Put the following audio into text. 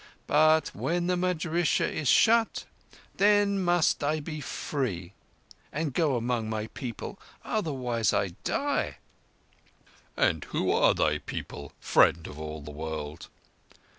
But when the madrissah is shut, then must I be free and go among my people. Otherwise I die!" "And who are thy people, Friend of all the World?"